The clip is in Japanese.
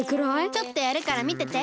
ちょっとやるからみてて。